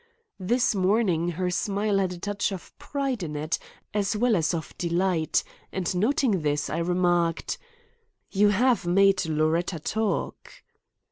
This morning her smile had a touch of pride in it as well as of delight, and noting this, I remarked: "You have made Loretta talk."